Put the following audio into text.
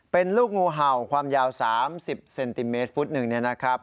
เป็นลูกงูเห่าความยาว๓๐เซนติเมตรฟุตหนึ่งเนี่ยนะครับ